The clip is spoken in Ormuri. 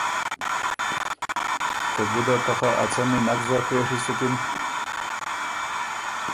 که ګُده ته خه ا څمی نک زر خوېڒی سُکِن؟